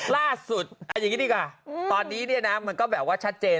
ล่ำสุดตอนนี้ดิก่อสุดฉัน